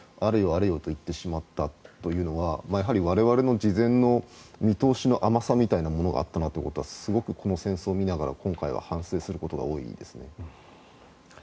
あれよといってしまったということはやはり我々の事前の見通しの甘さみたいなものがあったなとはすごく、この戦争を見ながら今回は反省することが多いですね。